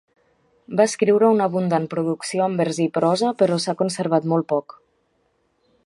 Va escriure una abundant producció en vers i prosa però s'ha conservat molt poc.